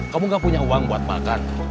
kamu gak punya uang buat makan